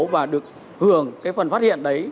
và được hưởng cái phần phát hiện đấy